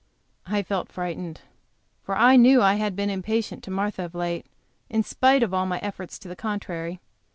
I felt frightened, for I knew I had been impatient to Martha of late, in spite of all my efforts to the contrary.